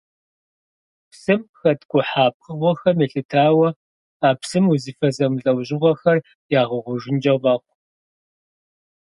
Псым хэткӀухьа пкъыгъуэхэм елъытауэ а псым узыфэ зэмылӀэужьыгъуэхэр ягъэхъужынкӀэ мэхъу.